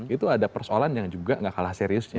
itu ada persoalan yang juga gak kalah seriusnya